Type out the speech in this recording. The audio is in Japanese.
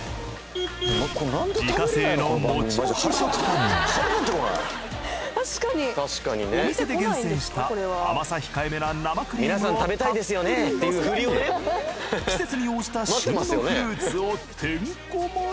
自家製のモチモチ食パンにお店で厳選した甘さ控えめな生クリームをたっぷりのせて季節に応じた旬のフルーツをてんこ盛り。